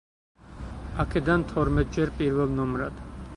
აქედან თორმეტჯერ პირველ ნომრად.